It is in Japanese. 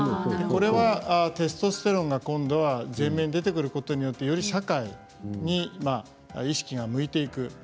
これはテストステロンが今度は全面に出てくることによってより社会に意識が向いていく。